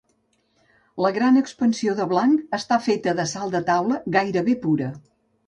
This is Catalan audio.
La gran expansió de blanc està feta de sal de taula gairebé pura.